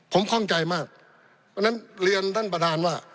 ผมคล่องใจมากเพราะฉะนั้นเรียนท่านประธานว่า